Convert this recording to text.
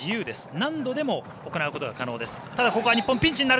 何度でも行うことが可能です。